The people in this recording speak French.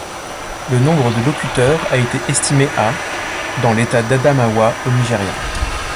Le nombre de locuteurs a été estimé à dans l'État d'Adamawa au Nigeria.